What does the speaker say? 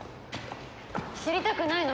知りたくないの？